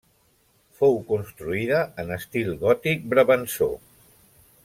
Fou construïda en estil gòtic brabançó.